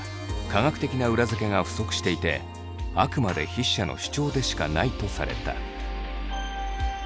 「科学的な裏付けが不足していてあくまで筆者の主張でしかない」とされた。